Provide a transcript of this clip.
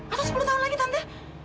atau sepuluh tahun lagi tante